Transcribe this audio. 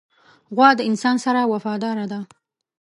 غوا د انسان سره وفاداره ده.